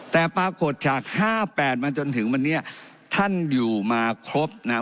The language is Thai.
แต่ปรากฏจาก๕๘มาจนถึงวันนี้ท่านอยู่มาครบนะฮะ